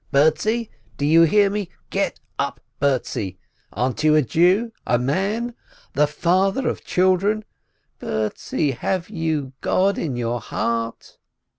Bertzi, do you hear me? Get up, Bertzi, aren't you a Jew ?— a man ?— the father of children ?— Bertzi, have you God in your heart